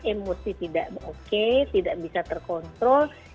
emosi tidak baik tidak bisa dikontrol